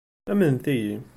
Amnet-iyi!